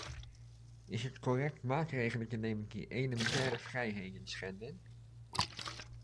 Is het correct maatregelen te nemen die elementaire vrijheden schenden?